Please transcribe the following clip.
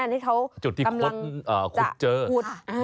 อันนี้เขากำลังจะขุด